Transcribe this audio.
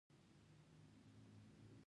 مینه او مننه درنو ګډونوالو.